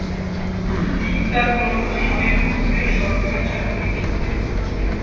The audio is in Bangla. তিনি তার কর্মজীবনের প্রথমে সরকারি চাকুরি করতেন।